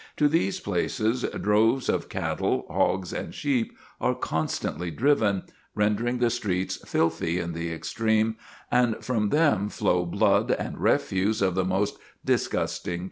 To these places droves of cattle, hogs, and sheep are constantly driven, rendering the streets filthy in the extreme, and from them flow blood and refuse of the most disgusting character.